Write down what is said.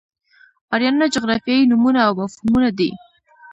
آریانا جغرافیایي نومونه او مفهومونه دي.